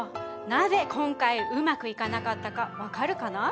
なぜ今回うまくいかなかったかわかるかな？